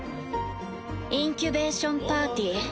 インキュベーション・パーティー。